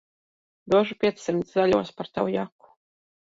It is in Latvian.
Došu piecsimt zaļos par tavu jaku.